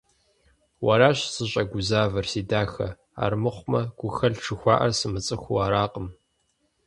Уэращ сыщӀэгузавэр, си дахэ, армыхъумэ гухэлъ жыхуаӀэр сымыцӀыхуу аракъым.